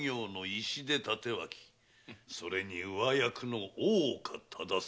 それに上役の大岡忠相。